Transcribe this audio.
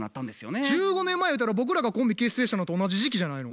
１５年前ゆうたら僕らがコンビ結成したのと同じ時期じゃないの？